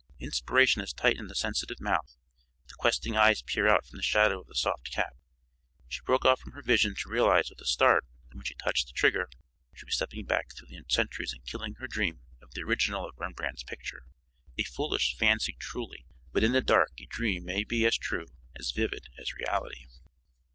Inspiration has tightened the sensitive mouth; the questing eyes peer out from the shadow of the soft cap. She broke off from her vision to realize with a start that when she touched the trigger she would be stepping back through the centuries and killing her dream of the original of Rembrandt's picture. A foolish fancy, truly, but in the dark a dream may be as true, as vivid as reality.